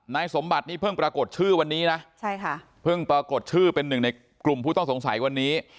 นายสมบัตินี่เพิ่งปรากฏชื่อวันนี้นะใช่ค่ะเพิ่งปรากฏชื่อเป็นหนึ่งในกลุ่มผู้ต้องสงสัยวันนี้